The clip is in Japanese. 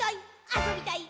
あそびたい！